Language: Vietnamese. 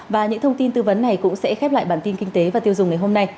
và những thông tin tư vấn này cũng sẽ khép lại bản tin kinh tế và tiêu dùng ngày hôm nay